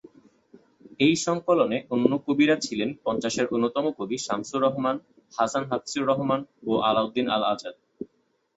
এই সংকলনে অন্য কবিরা ছিলেন পঞ্চাশের অন্যতম কবি শামসুর রাহমান, হাসান হাফিজুর রহমান, ও আলাউদ্দিন আল আজাদ।